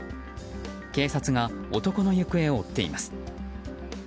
警察が男の行方を追っています。